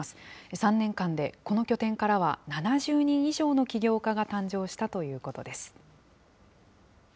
３年間でこの拠点からは、７０人以上の起業家が誕生したということです。